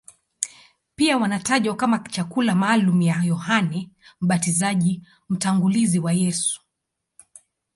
Pia wanatajwa kama chakula maalumu cha Yohane Mbatizaji, mtangulizi wa Yesu.